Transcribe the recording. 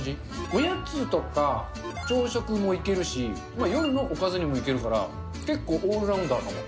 おやつとか朝食もいけるし、夜のおかずにもいけるから、結構オールラウンダーかも。